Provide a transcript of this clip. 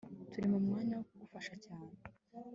Turi mumwanya wo kugufasha cyane